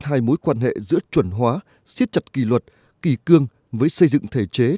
hai mối quan hệ giữa chuẩn hóa siết chặt kỳ luật kỳ cương với xây dựng thể chế